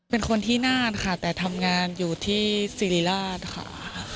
เป็นคนที่น่านค่ะแต่ทำงานอยู่ที่สิริราชค่ะ